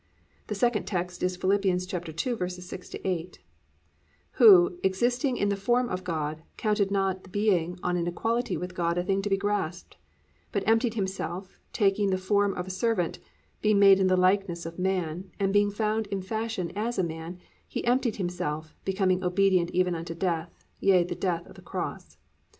"+ The second text is Phil. 2:6 8: +"Who, existing in the form of God, counted not the being on an equality with God a thing to be grasped, but emptied himself, taking the form of a servant, being made in the likeness of man; and being found in fashion as a man, he emptied himself, becoming obedient even unto death, yea the death of the cross."